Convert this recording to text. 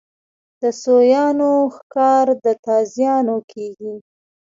د سویانو ښکار په تازیانو کېږي.